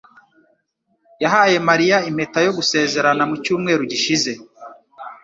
yahaye Mariya impeta yo gusezerana mu cyumweru gishize.